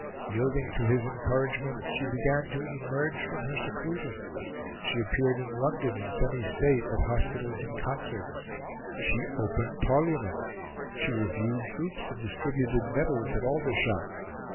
Yielding to his encouragements, she began to emerge from her seclusion; she appeared in London in semi state, at hospitals and concerts; she opened Parliament; she reviewed troops and distributed medals at Aldershot.